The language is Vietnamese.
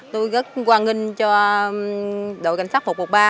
tôi rất quan nghênh cho đội cảnh sát một một ba